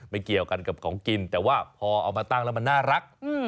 เกี่ยวกันกับของกินแต่ว่าพอเอามาตั้งแล้วมันน่ารัก